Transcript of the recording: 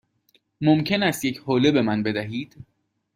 ممکن است یک حوله به من بدهید؟